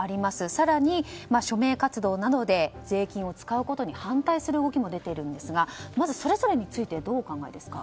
更に、署名活動で税金を使うことに反対する動きも出ているんですがまずそれぞれについてどうお考えですか？